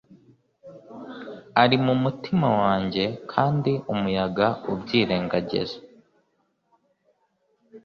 Ari mumutima wanjye kandi umuyaga ubyirengagiza